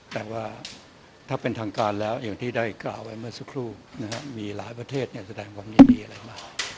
แต่ว่าถ้าเป็นทางการแล้วอย่างที่ได้กล่าวไว้เมื่อสักครู่มีหลายประเทศแสดงความยินดีอะไรมา